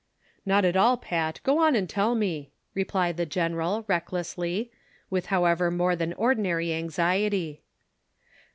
" Not at all, Pat, go on and tell me," replied the general, recklessly, with however more than ordinary anxiety.